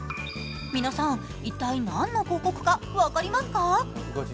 皆さん、一体何の広告か分かりますか。